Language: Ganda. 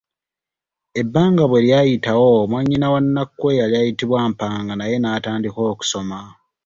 Ebbanga bwe lyayitawo mwannyina wa Nnakku eyali ayitibwa Mpanga naye naatandika okusoma.